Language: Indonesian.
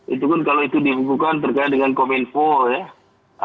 itu pun kalau itu dihubungkan terkait dengan kominfo ya